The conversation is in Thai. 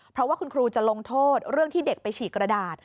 เพราะว่าคุณครูจะลงโทษเรื่องที่เด็กไปฉีกกระดาษ